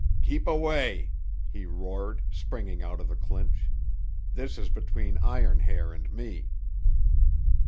"Keep away!" he roared, springing out of the clinch. "This is between Iron Hair and me."